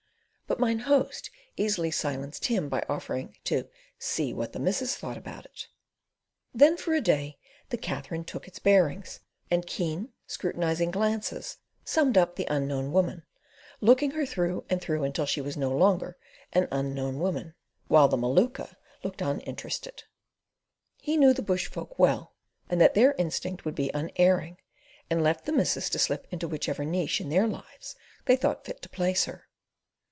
But Mine Host easily silenced him by offering to "see what the missus thought about it." Then for a day the Katherine "took its bearings," and keen, scrutinising glances summed up the Unknown Woman, looking her through and through until she was no longer an Unknown Woman, while the Maluka looked on interested. He knew the bush folk well, and that their instinct would be unerring, and left the missus to slip into whichever niche in their lives they thought fit to place her.